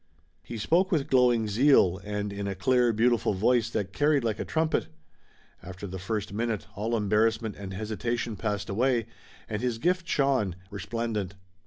He spoke with glowing zeal and in a clear, beautiful voice that carried like a trumpet. After the first minute, all embarrassment and hesitation passed away, and his gift shone, resplendent.